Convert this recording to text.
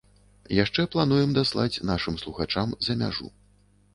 Яшчэ плануем даслаць нашым слухачам за мяжу.